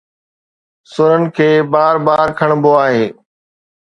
سرن تي بار بار کڻبو آهي